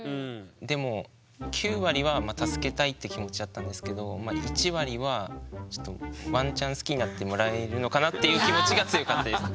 でも９割は助けたいって気持ちだったんですけど１割はちょっとワンチャン好きになってもらえるのかなっていう気持ちが強かったです。